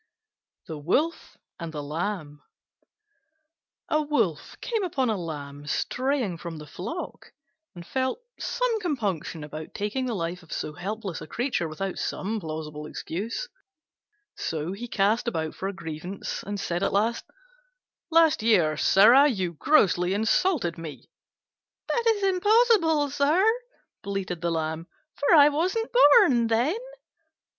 THE WOLF AND THE LAMB A Wolf came upon a Lamb straying from the flock, and felt some compunction about taking the life of so helpless a creature without some plausible excuse; so he cast about for a grievance and said at last, "Last year, sirrah, you grossly insulted me." "That is impossible, sir," bleated the Lamb, "for I wasn't born then."